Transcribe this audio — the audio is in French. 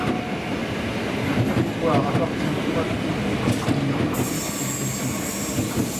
Le territoire appartient tour à tour aux Bourguignons puis aux Prussiens.